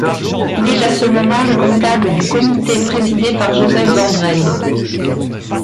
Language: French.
Il est à ce moment le comptable du comité présidé par Josep Vendrell.